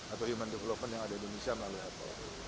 atau human development yang ada di indonesia melalui apple